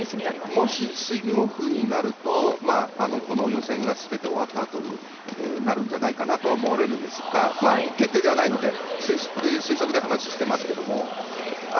もしスイムオフになるとこの予選がすべて終わったあとになるんじゃないかなと思われるんですが決定ではないので推測で話をしていますが。